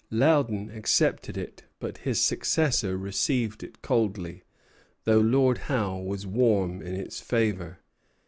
Loudon accepted it; but his successor received it coldly, though Lord Howe was warm in its favor.